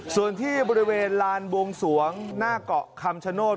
ส่วนที่บริเวณลานบวงสวงหน้าเกาะคำชโนธ